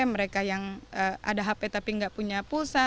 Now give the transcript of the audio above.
mereka yang ada hp tapi nggak punya pulsa